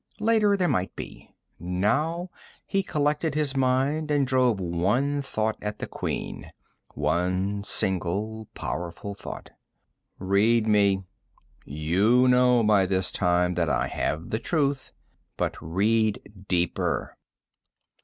Later, there might be. Now, he collected his mind and drove one thought at the Queen, one single powerful thought: _Read me! You know by this time that I have the truth but read deeper!